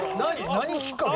何きっかけ？